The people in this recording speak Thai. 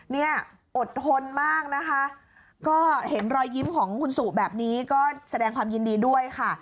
เนี่ยอดทนมากนะคะก็เห็นรอยยิ้มของคุณสุแบบนี้ก็แสดงความยินดีด้วยค่ะ